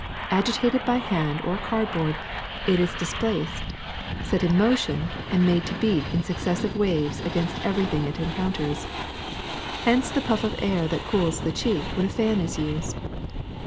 Agitated by hand or cardboard, it is displaced, set in motion, and made to beat in successive waves against every thing it encounters. Hence the pufP of air that cools the cheek when a fan is used.